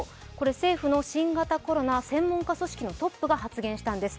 政府の新型コロナ専門家組織のトップが発言したんです。